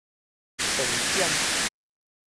斷掌